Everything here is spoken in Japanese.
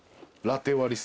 ラテ割り。